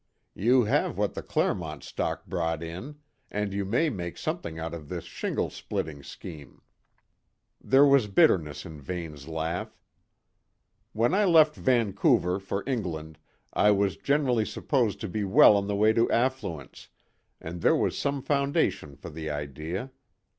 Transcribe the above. "You have what the Clermont stock brought in, and you may make something out of this shingle splitting scheme." There was bitterness in Vane's laugh. "When I left Vancouver for England, I was generally supposed to be well on the way to affluence, and there was some foundation for the idea.